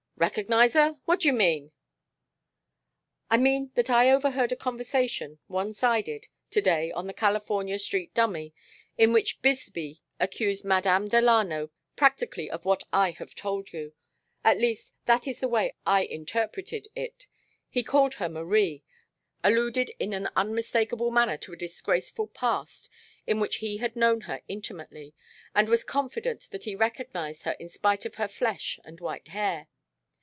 "Recognize her? What d'you mean?" "I mean that I overheard a conversation one sided to day on the California Street dummy, in which Bisbee accused Madame Delano practically of what I have told you. At least that is the way I interpreted it. He called her Marie, alluded in an unmistakable manner to a disgraceful past in which he had known her intimately, and was confident that he recognized her in spite of her flesh and white hair.